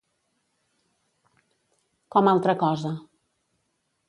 Com altra cosa.